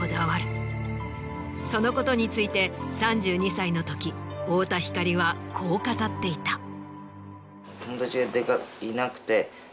そのことについて３２歳のとき太田光はこう語っていた。